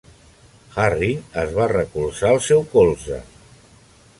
Harry es va recolzar al seu colze.